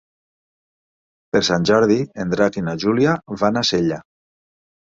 Per Sant Jordi en Drac i na Júlia van a Sella.